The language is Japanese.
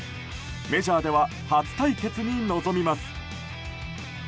メジャーでは初対決に臨みます。